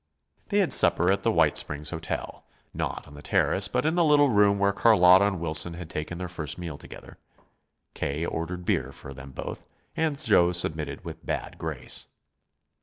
They had supper at the White Springs Hotel not on the terrace, but in the little room where Carlotta and Wilson had taken their first meal together. K. ordered beer for them both, and Joe submitted with bad grace.